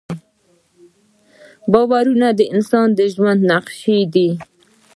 باورونه د انسان د ژوند نقشې دي.